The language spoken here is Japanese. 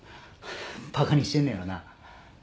バカにしてんねやろうな。